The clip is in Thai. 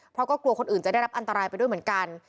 เพราะก็กลัวคนอื่นจะได้รับอันตรายไปด้วยเหมือนกัน